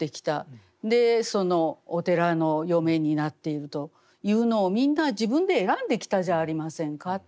でお寺の嫁になっているというのをみんな自分で選んできたじゃありませんか。